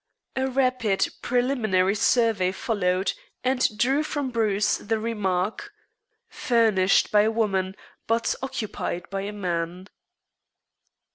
A rapid preliminary survey followed, and drew from Bruce the remark: "Furnished by a woman, but occupied by a man."